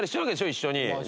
一緒に。